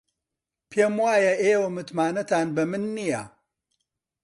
پێم وایە ئێوە متمانەتان بە من نییە.